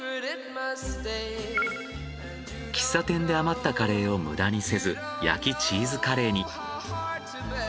喫茶店で余ったカレーを無駄にせず焼きチーズカレーに。